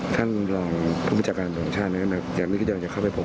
ท่านผู้บิจักรของชาลอย่างนี้ก็จะเข้าไปพบ